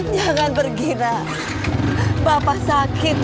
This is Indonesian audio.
jangan bergila bapak sakit